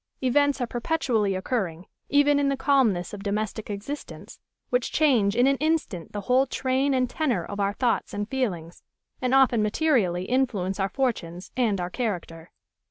Events are perpetually occurring, even in the calmness of domestic existence, which change in an instant the whole train and tenor of our thoughts and feelings, and often materially influence our fortunes and our character.